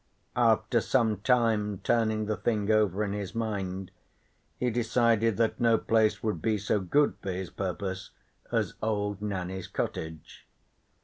After some time turning the thing over in his mind, he decided that no place would be so good for his purpose as old Nanny's cottage.